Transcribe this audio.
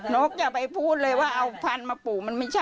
นกอย่าไปพูดเลยว่าเอาพันธุ์มาปลูกมันไม่ใช่